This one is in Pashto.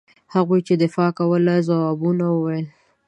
هغوی چې دفاع کوله ځوابونه وویل.